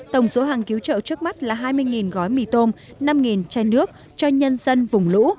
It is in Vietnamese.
tổng số hàng cứu trợ trước mắt là hai mươi gói mì tôm năm chai nước cho nhân dân vùng lũ